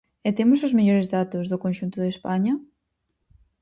¿E temos os mellores datos do conxunto de España?